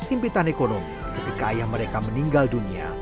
impitan ekonomi ketika ayah mereka meninggal dunia